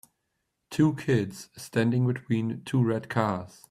Two kids standing between two red cars.